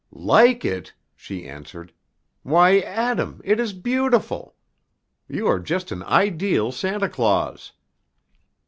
"Like it!" she answered, "Why, Adam, it is beautiful. You are just an ideal Santa Claus."